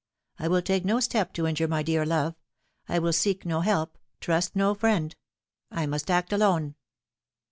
I will take no step to injure my dear love. I will seek no help, trust no friend. I must act alone."